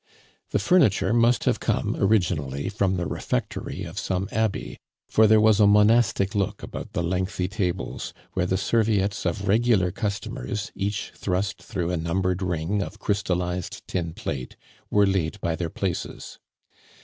The furniture must have come originally from the refectory of some abbey, for there was a monastic look about the lengthy tables, where the serviettes of regular customers, each thrust through a numbered ring of crystallized tin plate, were laid by their places.